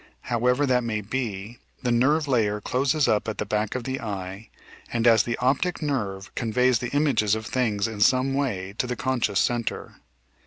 However that may be, the nerve layer closes up at the back of the eye and, as the optic nerve, conveys the images of things in some way to the conscious centre.